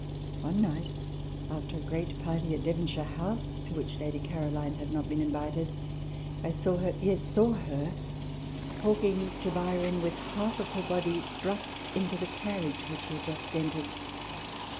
One night, after a great party at Devonshire House, to which Lady Caroline had not been invited, I saw her, yes, saw her, talking to Byron, with half of her body thrust into the carriage which he had just entered.